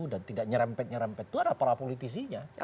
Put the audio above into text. dan tidak nyerempet nyerempet itu adalah para politisinya